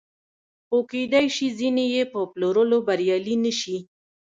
خو کېدای شي ځینې یې په پلورلو بریالي نشي